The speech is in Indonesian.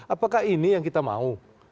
apakah ini yang kita mau